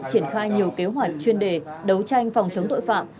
triển khai nhiều kế hoạch chuyên đề đấu tranh phòng chống tội phạm